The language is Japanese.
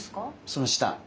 その下。